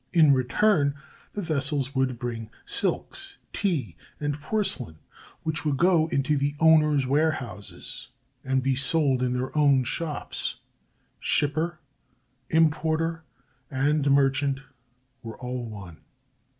In return the vessels would bring silks, tea, and porcelain, which would go into the owners' warehouses and be sold in their own shops. Shipper, importer, and merchant were all one.